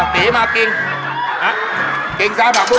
เพื่ออะไร